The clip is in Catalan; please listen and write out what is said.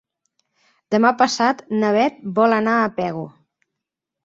Demà passat na Bet vol anar a Pego.